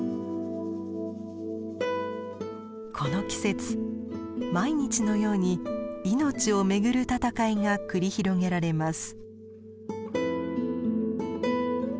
この季節毎日のように命をめぐる闘いが繰り広げられます。